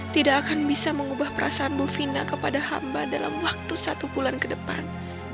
tidak akan bisa mengubah perasaan bu fina kepada hamba dalam waktu satu bulan ke depan